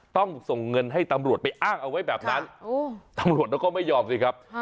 ต้องส่งเงินให้ตำรวจไปอ้างเอาไว้แบบนั้นตำรวจเขาก็ไม่ยอมสิครับ